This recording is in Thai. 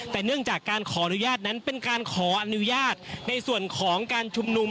แต่เนื่องจากการขออนุญาตนั้นเป็นการขออนุญาตในส่วนของการชุมนุม